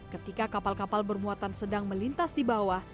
ketika kapal kapal bermuatan sedang melintas di bawah